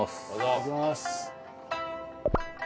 いただきます。